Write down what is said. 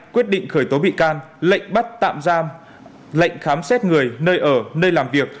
quyết định khởi tố bị can lệnh bắt tạm giam lệnh khám xét người nơi ở nơi làm việc